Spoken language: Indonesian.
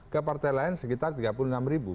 ke partai lain sekitar tiga puluh enam ribu